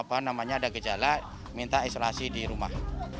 gak terlalu ada gejala minta isolasi di rumah